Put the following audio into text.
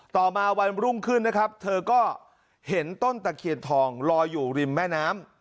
ต่อมาวันรุ่งขึ้นนะครับเธอก็เห็นต้นตะเคียนทองลอยอยู่ริมแม่น้ำ